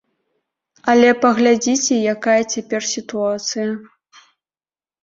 Але паглядзіце, якая цяпер сітуацыя.